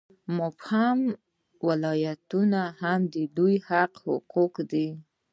مبهم ولایتونه هم د دوی حقه حقوق دي.